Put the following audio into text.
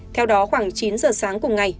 theo đó khoảng chín giờ sáng cùng ngày